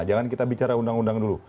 jangan kita bicara undang undang dulu